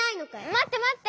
まってまって。